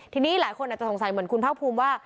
ทีนี้หลายคนอาจจะสงสัยเหมือนคุณภาคภูมิว่า